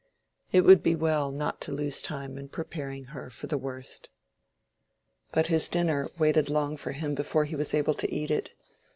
It would be well not to lose time in preparing her for the worst. But his dinner waited long for him before he was able to eat it.